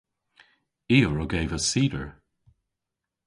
I a wrug eva cider.